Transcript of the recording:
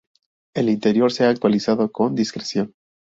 El interior se ha actualizado con discreción.